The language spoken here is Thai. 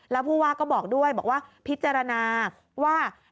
แล้วผู้ว่าก็บอกด้วยบอกว่าพิจารณาว่า